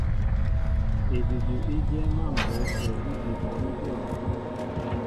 Edʉdʉ í dyɛ́ɛ́m á mbə̌ tə̂ ígi bal ú dyɔ̂.